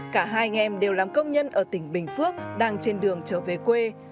cả hai anh em đều làm công nhân ở tỉnh bình phước đang trên đường trở về quê